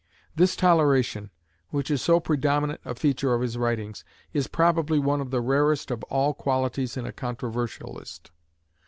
This toleration, which is so predominant a feature of his writings, is probably one of the rarest of all qualities in a controversialist.